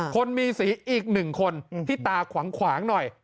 คนมีสีอีกหนึ่งคนที่ตาขวางหน่อย